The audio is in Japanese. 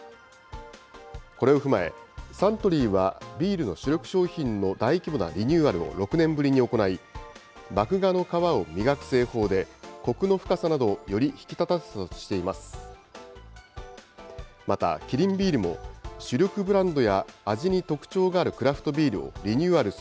これを踏まえ、サントリーはビールの主力商品の大規模なリニューアルを６年ぶりに行い、麦芽の皮を磨く製法でコクの深さなどをより引き立たせたとしています。